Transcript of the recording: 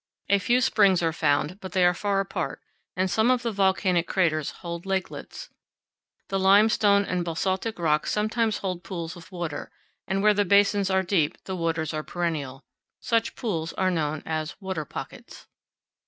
A few springs are found, but they are far apart, and some of the volcanic craters hold lakelets. The limestone and basaltic rocks sometimes hold pools of water; and where the basins 40 CANYONS OF THE COLORADO. are deep the waters are perennial. Such pools are known as "water pockets."